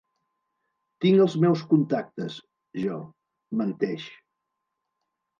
Tinc els meus contactes, jo —menteix.